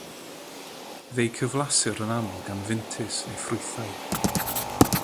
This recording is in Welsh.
Fe'i cyflasir yn aml gan fintys neu ffrwythau.